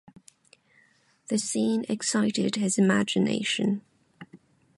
The scene excited his imagination.